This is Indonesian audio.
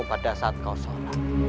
pada saat kau sholat